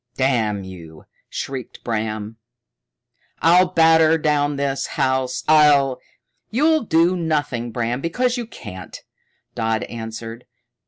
"Damn you," shrieked Bram. "I'll batter down this house. I'll " "You'll do nothing, Bram, because you can't," Dodd answered.